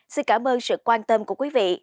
xin cảm ơn sự quan tâm của quý vị